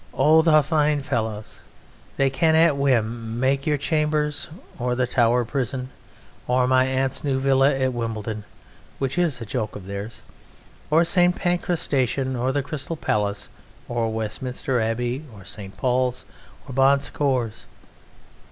Oh! the fine fellows! They can at whim make your chambers or the Tower prison, or my aunt's new villa at Wimbledon (which is a joke of theirs), or St. Pancras Station, or the Crystal Palace, or Westminster Abbey, or St. Paul's, or Bon Secours.